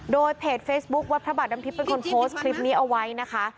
โดยเพจเฟซบุ๊ควัดพระบาทดำทิพย์เป็นคนโพสต์คลิปนี้เอาไว้นะคะ